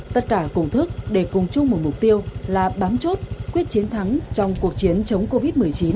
tất cả cùng thức để cùng chung một mục tiêu là bám chốt quyết chiến thắng trong cuộc chiến chống covid một mươi chín